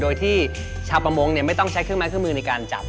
โดยที่ชาวประมงไม่ต้องใช้เครื่องไม้เครื่องมือในการจับ